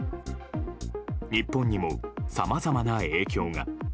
日本にもさまざまな影響が。